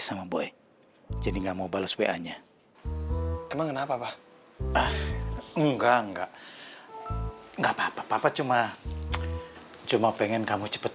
sama boy jadi nggak mau bales wa nya emang kenapa pak enggak enggak enggak apa apa cuma cuma pengen kamu cepet